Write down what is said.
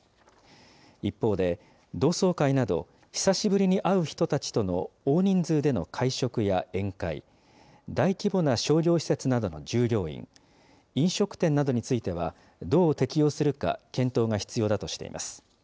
一方で、同窓会など、久しぶりに会う人たちとの大人数での会食や宴会、大規模な商業施設などの従業員、飲食店などについては、どう適用するか、検討が必要だとしています。